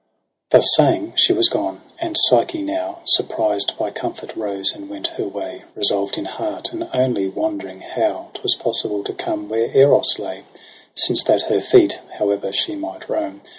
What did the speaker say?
Thus saying she was gone, and Psyche now Surprised by comfort rose and went her way. Resolved in heart, and only wondering how 'Twas possible to come where Eros lay • Since that her feet, however she might roam.